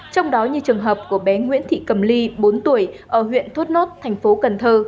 trong đó như trường hợp của bé nguyễn thị cầm ly bốn tuổi ở huyện thuốt nốt tp cn